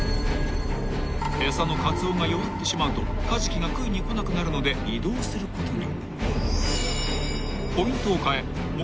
［餌のカツオが弱ってしまうとカジキが食いに来なくなるので移動することに］